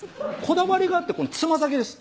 こだわりがあってつま先です